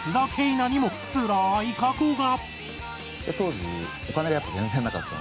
凪にもつらい過去が。